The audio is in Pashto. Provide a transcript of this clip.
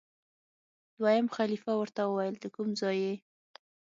دویم خلیفه ورته وویل دکوم ځای یې؟